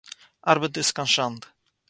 אַרבעט איז קיין שאַנד.